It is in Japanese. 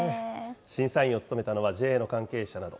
審査員を務めたのは、ＪＡの関係者など。